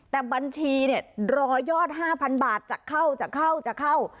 แต่บัญชีเนี่ยรอยอด๕๐๐บาทจะเข้าจะเข้าจะเข้า